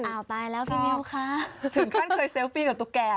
ตายแล้วพี่มิวคะถึงขั้นเคยเซลฟี่กับตุ๊กแก่